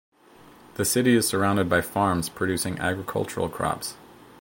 The city is surrounded by farms producing agricultural crops.